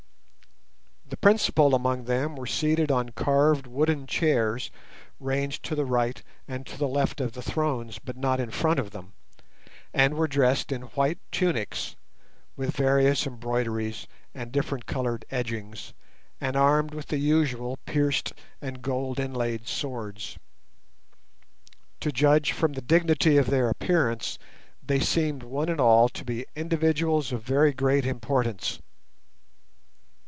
The principal among them were seated on carved wooden chairs ranged to the right and the left of the thrones, but not in front of them, and were dressed in white tunics, with various embroideries and different coloured edgings, and armed with the usual pierced and gold inlaid swords. To judge from the dignity of their appearance, they seemed one and all to be individuals of very great importance.